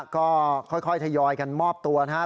ค่อยถ่ายย้อยกันมอบตัวนะครับ